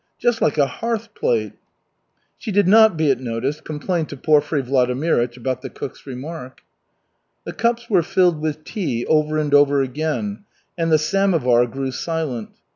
Just like a hearth plate!" She did not, be it noticed, complain to Porfiry Vladimirych about the cook's remark. The cups were filled with tea over and over again, and the samovar grew silent.